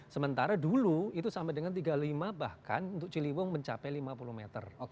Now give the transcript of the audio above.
sementara dulu itu sampai dengan tiga puluh lima bahkan untuk ciliwung mencapai lima puluh meter